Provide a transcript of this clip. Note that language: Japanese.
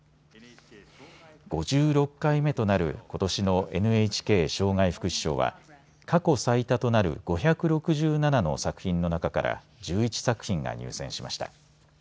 ５６回目となることしのＮＨＫ障害福祉賞は過去最多となる５６７の作品の中から１１作品が入選しました。